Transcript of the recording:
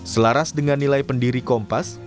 selaras dengan nilai pendiri kompas